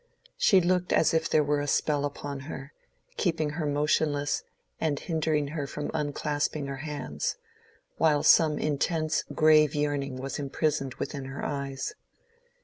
She looked as if there were a spell upon her, keeping her motionless and hindering her from unclasping her hands, while some intense, grave yearning was imprisoned within her eyes.